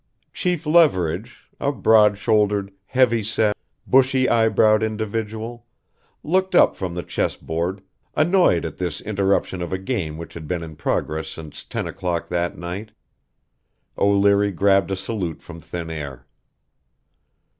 Chief Leverage, a broad shouldered, heavy set, bushy eyebrowed individual, looked up from the chess board, annoyed at this interruption of a game which had been in progress since ten o'clock that night. O'Leary grabbed a salute from thin air.